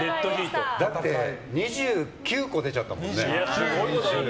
だって２９個出ちゃったもんね。